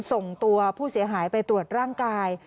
ส่งตัวผู้เสียหายไปตรวจร่างกาย